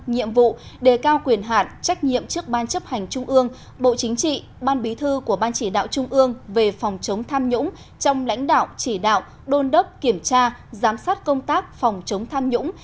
nhiệm vụ đề cao quyền hạn trách nhiệm trước ban chấp hành trung ương bộ chính trị ban bí thư của ban chỉ đạo trung ương về phòng chống tham nhũng trong lãnh đạo chỉ đạo đôn đốc kiểm tra giám sát công tác phòng chống tham nhũng